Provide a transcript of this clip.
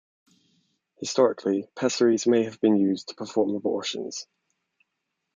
Historically, pessaries may have been used to perform abortions.